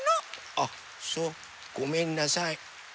あっそうごめんなさい。